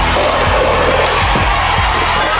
ทุก